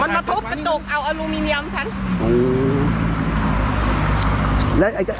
มันมาทุบกระจกเอาอลูมิเนียมฉัน